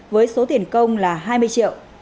với số tiền công là hai mươi triệu